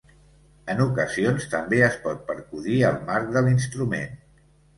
En ocasions, també es pot percudir el marc de l'instrument.